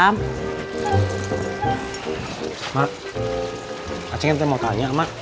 mak acing nanti mau tanya mak